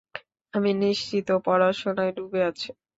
আমি নিশ্চিত ও পড়াশোনায় ডুবে আছে!